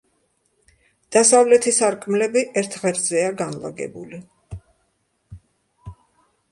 დასავლეთი სარკმლები ერთ ღერძზეა განლაგებული.